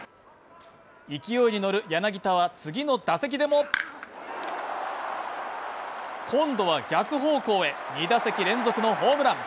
勢いに乗る柳田は次の打席でも今度は逆方向へ、２打席連続のホームラン。